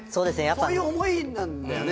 そういう思いなんだよね？